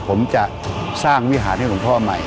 ผมจะสร้างวิหารให้หลวงพ่อใหม่